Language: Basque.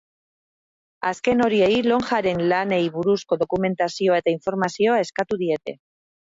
Azken horiei lonjaren lanei buruzko dokumentazioa eta informazioa eskatu diete.